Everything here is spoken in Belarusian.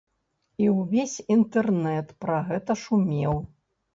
І ўвесь інтэрнэт пра гэта шумеў.